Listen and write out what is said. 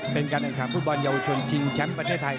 เป็นการเสนอผุดบอลเยาวชนจริงแชมป์ประเทศไทย